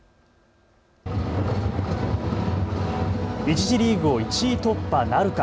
１次リーグを１位突破なるか。